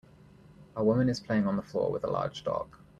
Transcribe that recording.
A woman is playing on the floor with a large dog.